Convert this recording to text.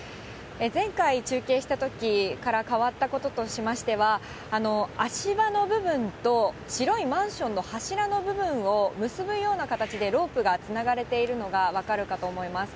前回中継したときから変わったこととしましては、足場の部分と白いマンションの柱の部分を結ぶような形でロープがつながれているのが分かるかと思います。